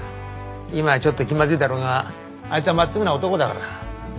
今はちょっと気まずいだろうがあいつはまっすぐな男だから。